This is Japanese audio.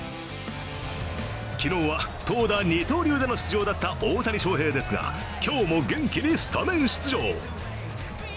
昨日は投打二刀流での出場だった大谷翔平ですが、今日も元気にスタメン出場。